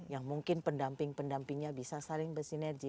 yang mungkin pendamping pendampingnya bisa saling bersinergi